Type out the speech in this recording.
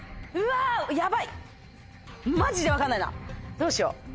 どうしよう。